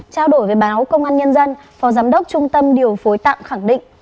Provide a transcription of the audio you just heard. trao đổi với báo công an nhân dân phó giám đốc trung tâm điều phối tạm khẳng định